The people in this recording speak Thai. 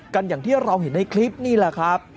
อย่างที่เราเห็นในคลิปนี่แหละครับ